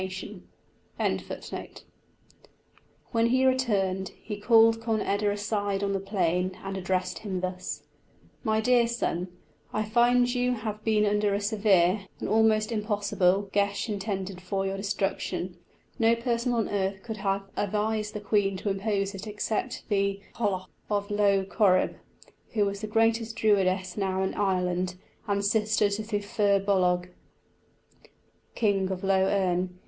When he returned, he called Conn eda aside on the plain, and addressed him thus: "My dear son, I find you have been under a severe an almost impossible geis intended for your destruction; no person on earth could have advised the queen to impose it except the Cailleach of Lough Corrib, who is the greatest Druidess now in Ireland, and sister to the Firbolg, King of Lough Erne.